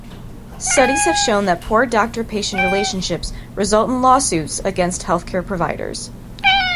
Studies have shown that poor doctor-patient relationships result in lawsuits against healthcare providers.